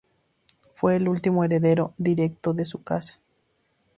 Fue el último heredero directo de su casa.